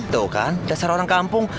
tuh kan dasar orang kampung